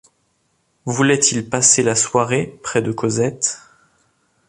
Voulait-il passer la soirée près de Cosette?